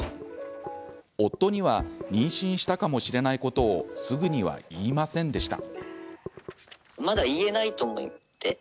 夫には妊娠したかもしれないことをすぐには言いませんでした。